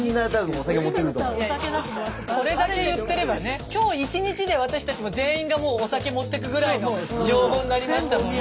これだけ言ってればね今日一日で私たちも全員がもうお酒持ってくぐらいの情報になりましたもんね。